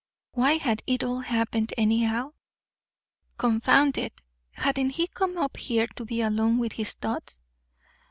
Why had it all happened, anyhow? Confound it, hadn't he come up here to be alone with his thoughts?